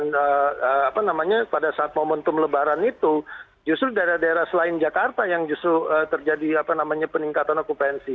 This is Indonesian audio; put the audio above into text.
dan pada saat momentum lebaran itu justru daerah daerah selain jakarta yang justru terjadi peningkatan okupansi